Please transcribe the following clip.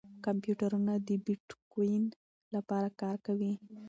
کمپیوټرونه د بېټکوین لپاره کار کوي.